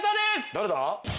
誰だ？